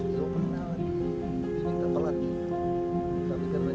pelanggaran yang beratnya khusus trufsel